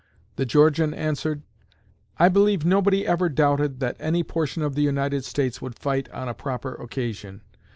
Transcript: The Georgian answered: "I believe nobody ever doubted that any portion of the United States would fight on a proper occasion....